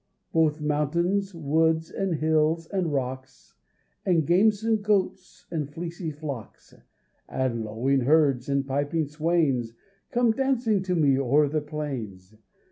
Both mountains, woods, and hills, and rocks And gamesome goats, and fleecy flocks, And lowing herds, and piping swains, Come dancing to me o'er the plains.